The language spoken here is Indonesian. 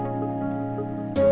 nah minging yah